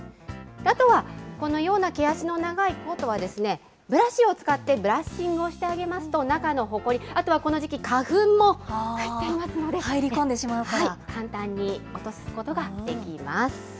あとはこのような毛足の長いコートは、ブラシを使ってブラッシングをしてあげますと、中のほこり、あとはこの時期、花粉も入ってい入りこんでしまうから？